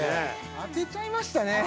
当てちゃいましたね